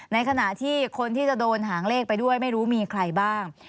ในขณะที่คนที่จะโดนหางเลขไปด้วยไม่รู้มีใครบ้าง